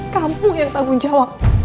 kamu yang tanggung jawab